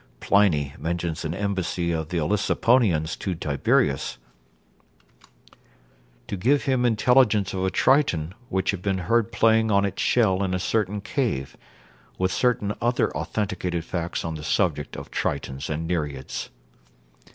Pliny mentions an embassy of the Olyssiponians to Tiberius, to give him intelligence of a triton which had been heard playing on its shell in a certain cave; with several other authenticated facts on the subject of tritons and nereids.